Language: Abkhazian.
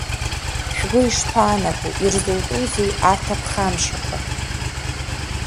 Шәгәы ишԥаанаго, ирзутәузеи арҭ аԥхамшьақәа?